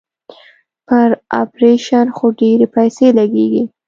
پر اپرېشن خو ډېرې پيسې لگېږي.